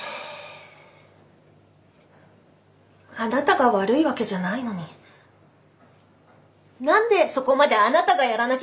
あなたが悪いわけじゃないのに何でそこまであなたがやらなきゃいけないの？